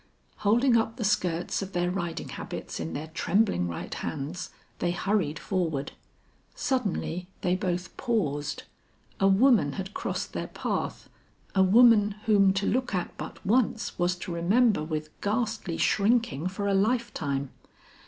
Holding up the skirts of their riding habits in their trembling right hands, they hurried forward. Suddenly they both paused. A woman had crossed their path; a woman whom to look at but once was to remember with ghastly shrinking for a lifetime.